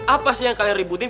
apa sih yang kalian ributin